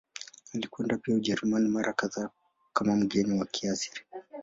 Alikwenda pia Ujerumani mara kadhaa kama mgeni wa Kaisari.